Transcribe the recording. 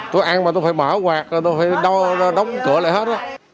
tôi ăn mà tôi phải mở quạt tôi phải đóng cửa lại hết